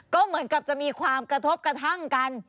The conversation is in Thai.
ก็เหมือนกับจะมีความกระทบกระทั่งกัน